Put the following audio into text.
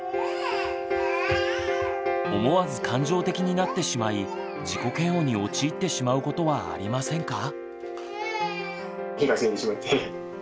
思わず感情的になってしまい自己嫌悪に陥ってしまうことはありませんか？